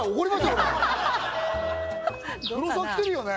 俺黒沢来てるよね？